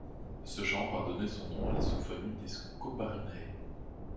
Ce genre a donné son nom à la sous-famille des Scopariinae.